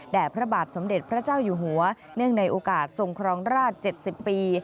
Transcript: พระบาทสมเด็จพระเจ้าอยู่หัวเนื่องในโอกาสทรงครองราช๗๐ปี